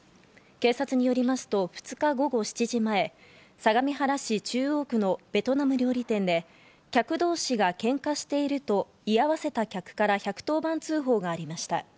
警察によりますと２日午後７時前、相模原市中央区のベトナム料理店で客同士がけんかしていると居合わせた客から１１０番通報がありました。